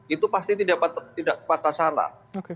itu pasti tidak tepat sasaran